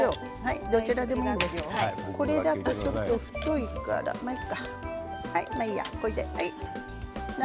これだと、ちょっと太いからまあいいや、これで。